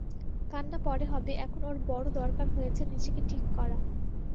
কান্না পরে হবে, এখন ওর বড়ো দরকার হয়েছে নিজেকে ঠিক করা।